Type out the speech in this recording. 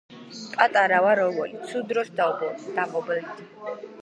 პაწაწა ვარ ობოლი ცუდ დროს დავობლდი